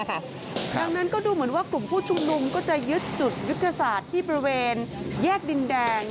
ดังนั้นก็ดูเหมือนว่ากลุ่มผู้ชุมนุมก็จะยึดจุดยุทธศาสตร์ที่บริเวณแยกดินแดง